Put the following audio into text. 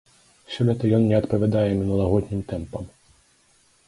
Сёлета ён не адпавядае мінулагоднім тэмпам.